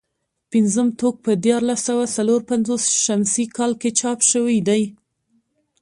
پنځم ټوک په دیارلس سوه څلور پنځوس شمسي کال کې چاپ شوی دی.